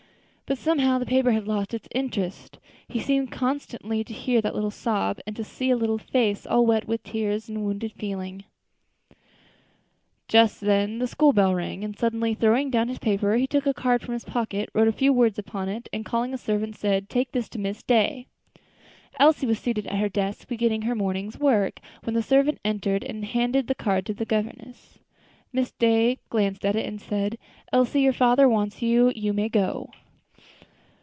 But somehow the paper had lost its interest. He seemed constantly to hear that little sob, and to see a little face all wet with tears of wounded feeling. Just then the school bell rang, and suddenly throwing down his paper, he took a card from his pocket, wrote a few words upon it, and calling a servant, said, "Take this to Miss Day." Elsie was seated at her desk, beginning her morning's work, when the servant entered and handed the card to the governess. Miss Day glanced at it and said: "Elsie, your father wants you. You may go."